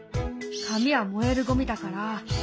紙は燃えるゴミだから。